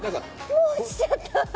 もう落ちちゃった！